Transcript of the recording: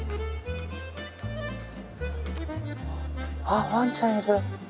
あっワンちゃんいる。